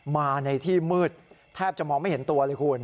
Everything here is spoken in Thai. มาในที่มืดแทบจะมองไม่เห็นตัวเลยคุณ